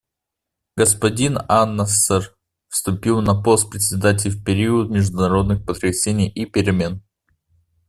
Господин ан-Насер вступил на пост Председателя в период международных потрясений и перемен.